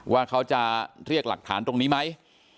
ว่าเขาจะเรียกหลักฐานตรงนี้ไหม